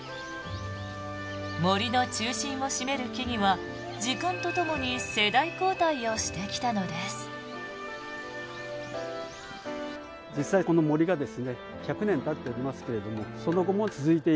杜の中心を占める木々は時間とともに世代交代をしてきたのです。